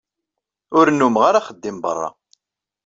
Ur nnumeɣ ara axeddim beṛṛa.